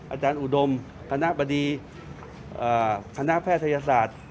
อาจารย์อุดมคณะบดีคณะแพทยศาสตร์